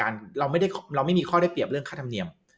เราไม่มีข้อได้เปรียบเรื่องค่าธรรมเนียม